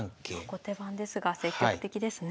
後手番ですが積極的ですね。